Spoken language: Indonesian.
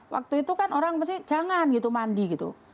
waktu itu kan orang pasti jangan gitu mandi gitu